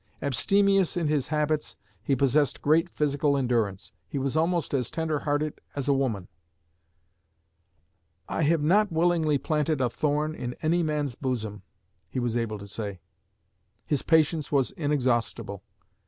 Abstemious in his habits, he possessed great physical endurance. He was almost as tender hearted as a woman. 'I have not willingly planted a thorn in any man's bosom,' he was able to say. His patience was inexhaustible.